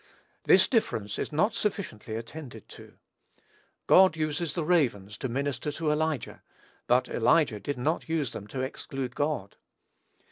This difference is not sufficiently attended to. God used the ravens to minister to Elijah, but Elijah did not use them to exclude God.